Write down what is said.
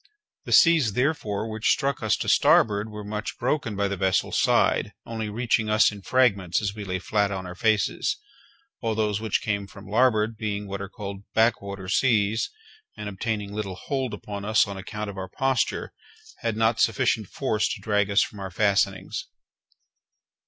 The seas, therefore, which struck us to starboard were much broken, by the vessel's side, only reaching us in fragments as we lay flat on our faces; while those which came from larboard being what are called back water seas, and obtaining little hold upon us on account of our posture, had not sufficient force to drag us from our fastenings.